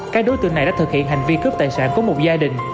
các đối tượng này đã thực hiện hành vi cướp tài sản của một gia đình